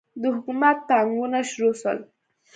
د حکومت پاټکونه شروع سول.